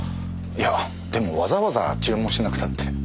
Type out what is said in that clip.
いやでもわざわざ注文しなくたって。